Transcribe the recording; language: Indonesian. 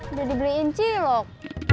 udah dibeliin cilok